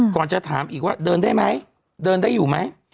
ก่อนจะถามอีกว่าเดินได้ไหมเดินได้อยู่ไหม